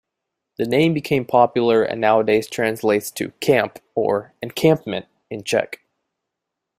The name became popular and nowadays translates to "camp" or "encampment" in Czech.